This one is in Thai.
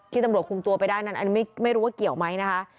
ที่ตำรวจคุมตัวไปด้านนั้นไม่รู้ว่าเกี่ยวไหมนะคะ